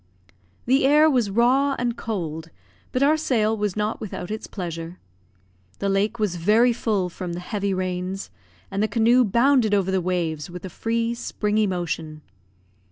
The air was raw and cold, but our sail was not without its pleasure. The lake was very full from the heavy rains, and the canoe bounded over the waves with a free, springy motion.